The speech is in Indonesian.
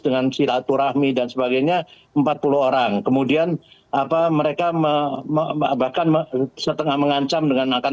dengan silaturahmi dan sebagainya empat puluh orang kemudian apa mereka bahkan setengah mengancam dengan akan